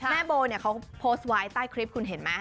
แม่โบเนี่ยเขาโพสต์ไว้ใต้คลิปคุณเห็นไหม